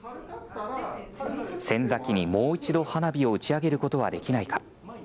仙崎に、もう一度、花火を打ち上げることはできないか。